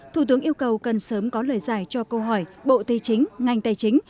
thủ tướng yêu cầu cần sớm có lời giải cho câu hỏi bộ tài chính ngành tài chính